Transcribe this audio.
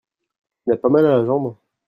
Tu n'as pas mal à la jambe ?